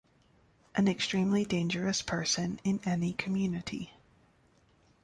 An extremely dangerous person in any community.